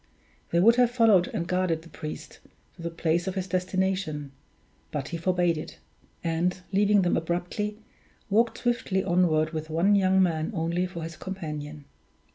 They would have followed and guarded the priest to the place of his destination; but he forbade it; and, leaving them abruptly, walked swiftly onward with one young man only for his companion.